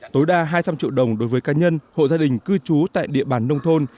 tối đa hai trăm linh triệu đồng đối với cá nhân hộ gia đình cư trú tại địa bàn nông thôn